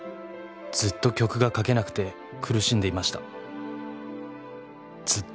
「ずっと曲が書けなくて苦しんでいました」